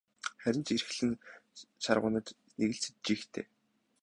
Харин ч эрхлэн шарваганаж нэг л жигтэй.